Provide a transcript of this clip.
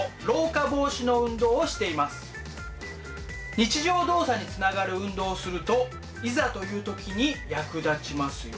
日常動作につながる運動をするといざという時に役立ちますよ。